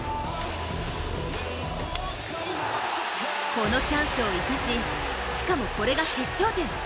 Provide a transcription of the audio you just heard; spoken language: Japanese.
このチャンスを生かししかもこれが決勝点。